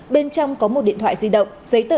bên trong có một điện thoại di động giấy tờ